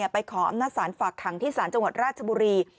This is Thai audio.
ไปขออำนาจศาลฝากขังที่ศาลจังหวัดราชบุรี